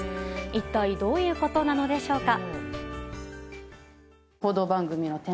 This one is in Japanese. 一体どういうことなのでしょうか。